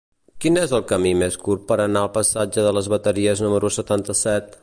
Quin és el camí més curt per anar al passatge de les Bateries número setanta-set?